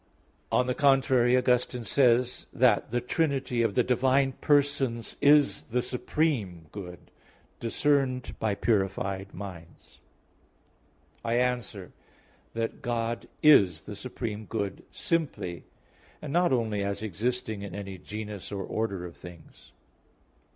On the contrary, Augustine says (De Trin. ii) that, the Trinity of the divine persons is "the supreme good, discerned by purified minds." I answer that, God is the supreme good simply, and not only as existing in any genus or order of things.